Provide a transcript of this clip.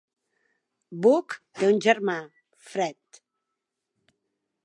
Booke té un germà, Fred.